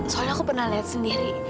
soalnya aku pernah lihat sendiri